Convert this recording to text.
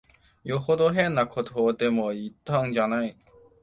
よほど変なことでも言ったんじゃない。